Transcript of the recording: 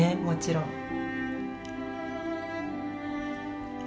もちろん。